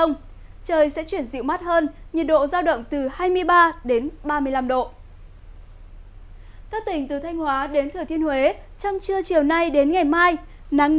nhiệt độ cao nhất phổ biến